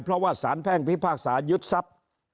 เพราะว่าสารแพ่งพิพากษายึดทรัพย์